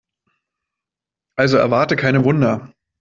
Also erwarte keine Wunder.